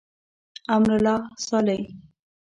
امرالله صالح.